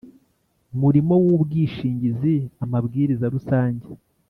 Murimo w ubwishingizi amabwiriza rusange